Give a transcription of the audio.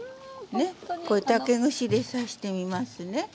ねこれ竹串で刺してみますね。